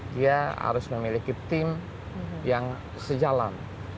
dia harus memiliki tim yang sejalan